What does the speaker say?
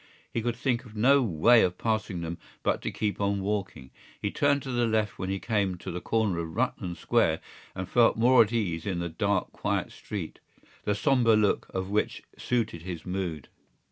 He could think of no way of passing them but to keep on walking. He turned to the left when he came to the corner of Rutland Square and felt more at ease in the dark quiet street, the sombre look of which suited his mood.